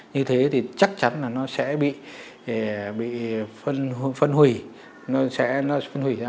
như thế thì chắc chắn là nó sẽ bị phân hủy